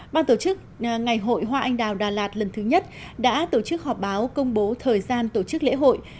ban tổ chức ngày hội hoa anh đào đà lạt lần thứ nhất đã tổ chức họp báo công bố thời gian tổ chức lễ hội